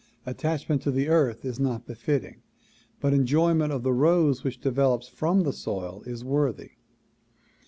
Attachment to the earth is not befitting but en joyment of the rose which develops from the soil is worthy.